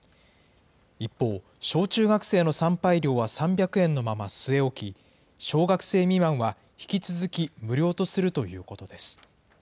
一方、小中学生の参拝料は３００円のまま据え置き、小学生未満は引き続き無料とするということです。